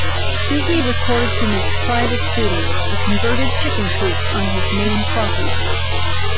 Stookey records in his private studio-a converted chicken coop-on his Maine property.